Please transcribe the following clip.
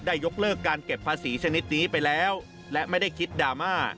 ยกเลิกการเก็บภาษีชนิดนี้ไปแล้วและไม่ได้คิดดราม่า